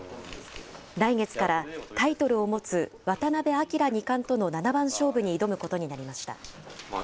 来月から、タイトルを持つ渡辺明二冠との七番勝負に挑むことになりました。